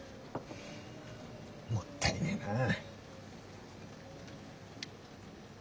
もったいねえなぁ。